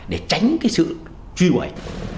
để tránh sự truy đuổi